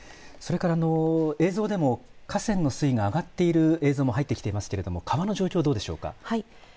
映像でも河川の水位が上がっている映像も入っていますけれども川の状況はどうでしょうか。